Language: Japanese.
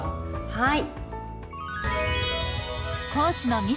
はい。